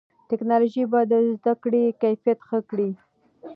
ټیکنالوژي به د زده کړې کیفیت ښه کړي.